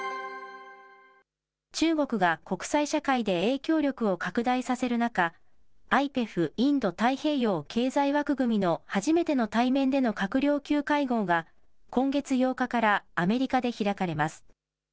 中国が国際社会で影響力を拡大させる中、ＩＰＥＦ・インド太平洋経済枠組みの初めての対面での閣僚級会合が、今月８日からアメリカで開かれます。